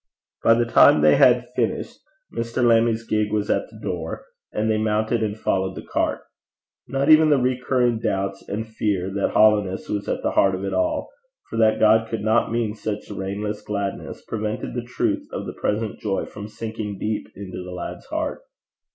By the time they had finished, Mr. Lammie's gig was at the door, and they mounted and followed the cart. Not even the recurring doubt and fear that hollowness was at the heart of it all, for that God could not mean such reinless gladness, prevented the truth of the present joy from sinking deep into the lad's heart.